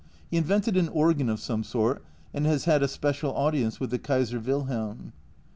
He invented an organ of some sort, and has had a special audience with the Kaiser Wilhelm.